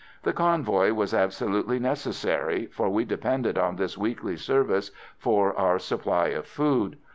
The convoy was absolutely necessary, for we depended on this weekly service for our supply of food.